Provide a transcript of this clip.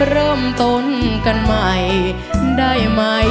เริ่มต้นกันใหม่ได้ไหม